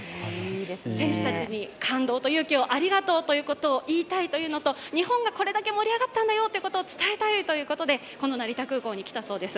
選手たちに感動と勇気をありがとうと言いたいということと日本がこれだけ盛り上がったんだよということを伝えたいということでこの成田空港に来たそうです。